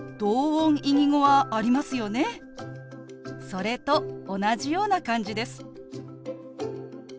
それと同じような感じです。